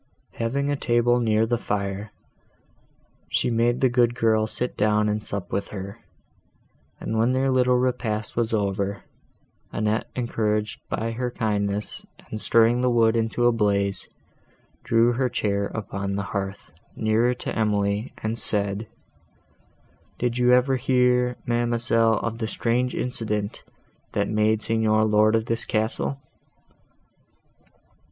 Having a table near the fire, she made the good girl sit down and sup with her; and, when their little repast was over, Annette, encouraged by her kindness and stirring the wood into a blaze, drew her chair upon the hearth, nearer to Emily, and said—"Did you ever hear, ma'amselle, of the strange accident, that made the Signor lord of this castle?"